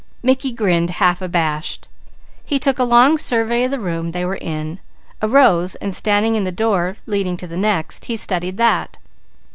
Mickey grinned half abashed. He took a long survey of the room they were in, arose and standing in the door leading to the next he studied that.